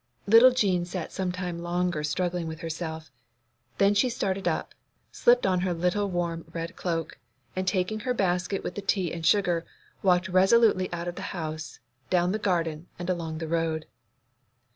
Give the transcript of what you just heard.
Little Jean sat some time longer struggling with herself. Then she started up, slipped on her little warm red cloak, and, taking the basket with the tea and sugar, walked resolutely out of the house, down the garden, and along the road.